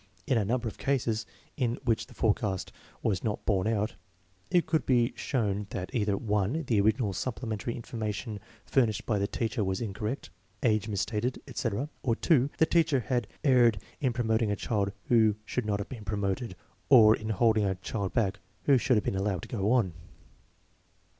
In a number of cases in which the forecast was not borne out, it could be shown that either: (1) the original supplementary information fur DIFFERENCES IN FIRST GRADE CHILDREN 63 nished by the teacher was incorrect (age misstated, etc.) ; or (&) the teacher had erred in promoting a child who should not have been promoted, or in holding a child back who should have been allowed to go on.